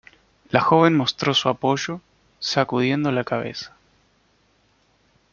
La joven mostró su apoyo sacudiendo la cabeza.